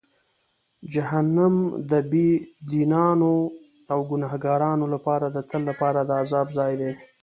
جهنم د بېدینانو او ګناهکارانو لپاره د تل لپاره د عذاب ځای دی.